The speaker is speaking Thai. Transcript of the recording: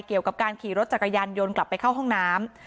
เกี่ยวกับการขี่รถจักรยานยนต์กลับไปเข้าห้องน้ำ